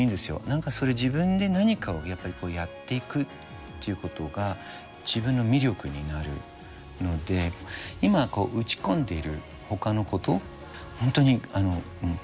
何かそれ自分で何かをやっぱりやっていくっていうことが自分の魅力になるので今打ち込んでいるほかのこと本当にガンッと